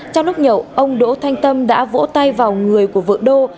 trong lúc nhậu ông đỗ thanh tâm đã vỗ tay vào người của vợ đô